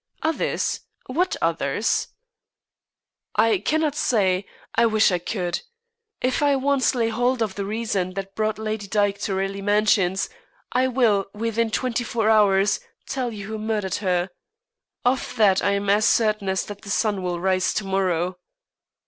"Others? What others?" "I cannot say. I wish I could. If I once lay hold of the reason that brought Lady Dyke to Raleigh Mansions, I will, within twenty four hours, tell you who murdered her. Of that I am as certain as that the sun will rise to morrow."